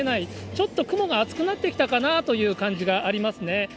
ちょっと雲が厚くなってきたかなという感じがありますね。